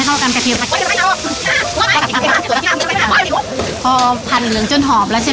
เราก็ใส่เลือดไก่